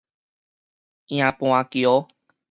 營盤橋